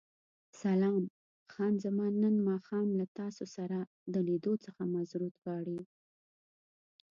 سلام، خان زمان نن ماښام له تاسو سره د لیدو څخه معذورت غواړي.